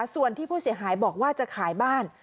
ส่วนที่ผู้เสียหายบอกว่าจะขายบ้าน